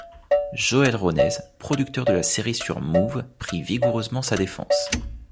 Joël Ronez, producteur de la série sur Mouv', prit vigoureusement sa défense.